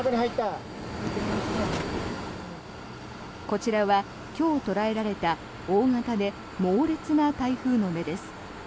こちらは今日捉えられた大型で猛烈な台風の目です。